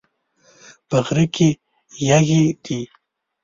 په غره کې یږي دي